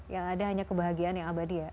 ya ada hanya kebahagiaan yang abadi ya